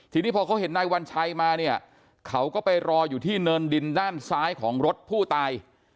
ทีนี้พอเขาเห็นนายวัญชัยมาเนี่ยเขาก็ไปรออยู่ที่เนินดินด้านซ้ายของรถผู้ตาย